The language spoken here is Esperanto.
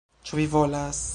Ĉu vi volas...